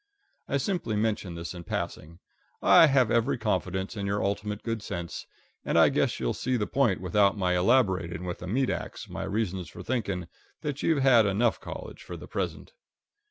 I simply mention this in passing. I have every confidence in your ultimate good sense, and I guess you'll see the point without my elaborating with a meat ax my reasons for thinking that you've had enough college for the present.